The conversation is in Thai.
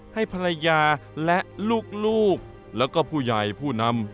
ให้ภรรยาและลูกแล้วก็ผู้ใหญ่ผู้นำ